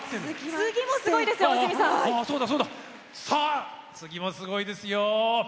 続いてもすごいですよ。